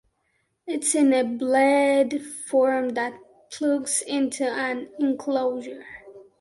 It is in a "blade" form that plugs into an enclosure.